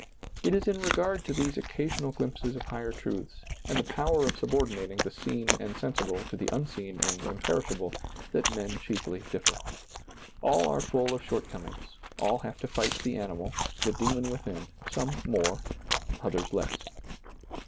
It is in regard to these occasional glimpses of higher truths, and the power of subordinating the seen and sensible to the unseen and imperishable, that men chiefly differ. All are full of shortcomings ; all have to fight the animal, the demon within — some more, others less.